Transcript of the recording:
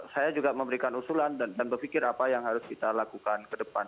saya juga memberikan usulan dan berpikir apa yang harus kita lakukan ke depan